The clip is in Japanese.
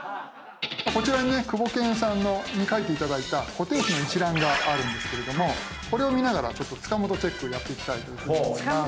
こちらにねクボケンさんに書いて頂いた固定費の一覧があるんですけれどもこれを見ながら塚本チェックをやっていきたいというふうに思います。